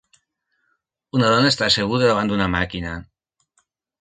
Una dona està asseguda davant d'una màquina.